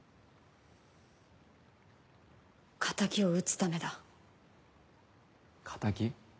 敵を討つためだ。敵？